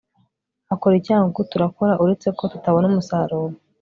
akora i cyangugu. turakora uretse ko tutabona umusaruro